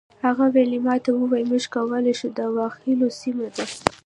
هغه ویلما ته وویل موږ کولی شو دا واخلو سمه ده